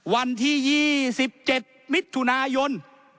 วันที่๒๗มิถุนายน